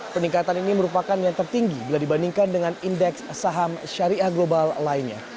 peningkatan ini merupakan yang tertinggi bila dibandingkan dengan indeks saham syariah global lainnya